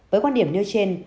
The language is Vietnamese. với quan điểm như trên